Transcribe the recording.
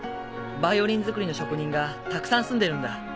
バイオリン作りの職人がたくさん住んでるんだ。